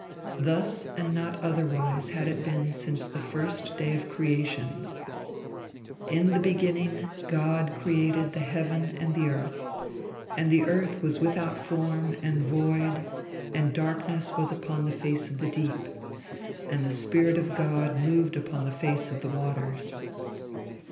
Thus and not otherwise had it been since the first day of creation: "In the beginning God created the heaven and the earth. And the earth was without form, and void; and darkness was upon the face of the deep. And the Spirit of God moved upon the face of the waters."